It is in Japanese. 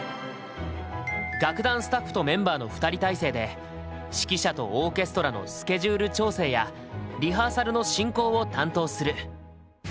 楽団スタッフとメンバーの２人体制で指揮者とオーケストラのスケジュール調整やリハーサルの進行を担当する。